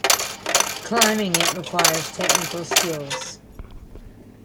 Climbing it requires technical skills.